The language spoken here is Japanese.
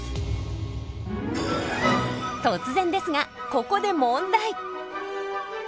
突然ですがここで問題。